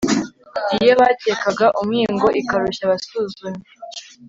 Iyo bakekaga umwingo ikarushya abasuzumyi